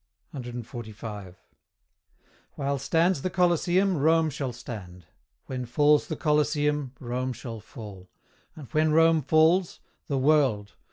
CXLV. 'While stands the Coliseum, Rome shall stand; When falls the Coliseum, Rome shall fall; And when Rome falls the World.'